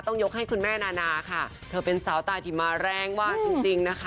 ต้องยกให้คุณแม่นานาค่ะเธอเป็นสาวตายที่มาแรงมากจริงนะคะ